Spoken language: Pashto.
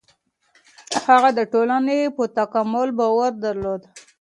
هغه د ټولني په تکامل باور درلود.